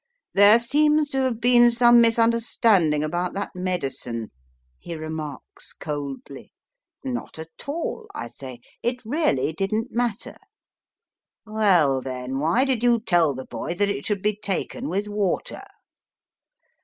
There seems to have been some misun derstanding about that medicine, he remarks coldly. Not at all, I say, it really didn t matter. Well, then, why did you tell the boy that it should be taken with water